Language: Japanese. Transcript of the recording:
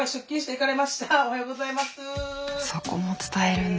そこも伝えるんだ。